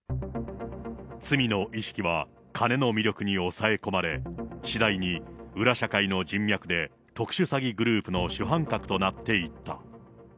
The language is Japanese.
罪の意識は金の魅力に抑え込まれ、次第に裏社会の人脈で、特殊詐欺グループの主犯格となっていった。